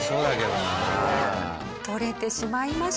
取れてしまいました。